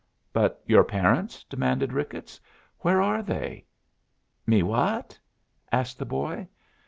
"But your parents?" demanded Ricketts. "Where are they?" "Me what?" asked the boy.